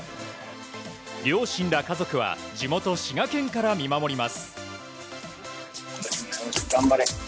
両親ら家族は地元・滋賀県から見守ります。